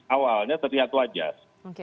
awalnya terlihat wajar